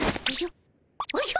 おじゃ？